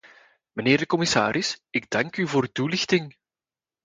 Mijnheer de commissaris, ik dank u voor uw toelichting.